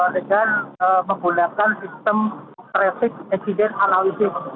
dengan menggunakan sistem traffic accident analysis